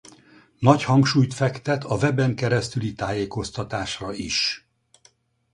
Nagy hangsúlyt fektet a weben keresztüli tájékoztatásra is.